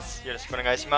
よろしくお願いします。